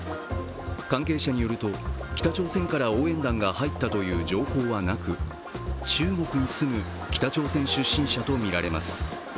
関係者によると北朝鮮から応援団が入ったという情報はなく中国に住む北朝鮮出身者とみられます。